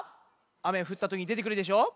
あめがふったときにでてくるでしょ。